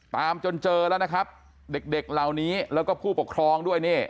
ตามจนเจอแล้วนะครับเด็กเด็กเหล่านี้แล้วก็ผู้ปกครองด้วยนี่